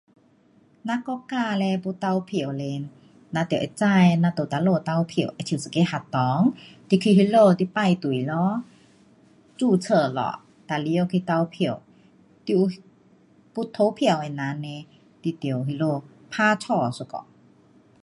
咱国家嘞要投票嘞，咱得会知咱在哪里投票。好像一个学堂，你去那里你排队咯，注册咯，哒入内去投票。你有要投票的人呢，你在那里打叉一下。